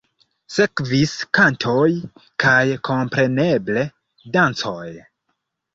Sekvis kantoj kaj kompreneble dancoj.